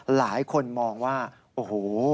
หลายคนมองว่าโอ้โห